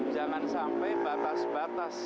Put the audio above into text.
jangan sampai batas batas